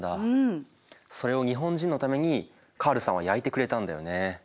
それを日本人のためにカールさんは焼いてくれたんだよね。